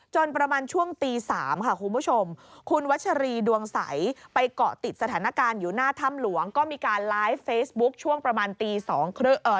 ประมาณช่วงตีสามค่ะคุณผู้ชมคุณวัชรีดวงใสไปเกาะติดสถานการณ์อยู่หน้าถ้ำหลวงก็มีการไลฟ์เฟซบุ๊คช่วงประมาณตีสองเอ่อ